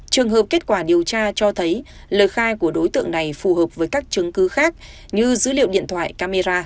trường hợp kết quả điều tra cho thấy lời khai của đối tượng này phù hợp với các chứng cứ khác như dữ liệu điện thoại camera